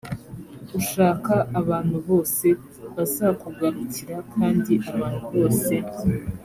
ushaka abantu bose bazakugarukira kandi abantu bose